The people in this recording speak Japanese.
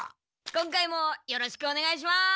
今回もよろしくおねがいします。